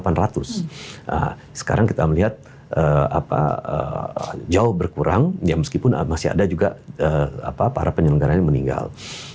nah sekarang kita melihat jauh berkurang ya meskipun masih ada juga para penyelenggaranya meninggal